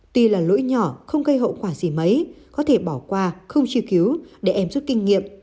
tuy là lỗi nhỏ không gây hậu quả gì mấy có thể bỏ qua không truy cứu để em rút kinh nghiệm